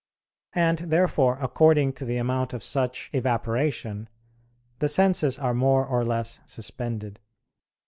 And, therefore, according to the amount of such evaporation, the senses are more or less suspended.